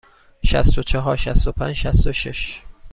شصت و چهار، شصت و پنج، شصت و شش.